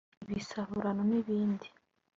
ibisahurano n’ibindi